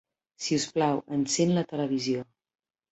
Si us plau, encén la televisió.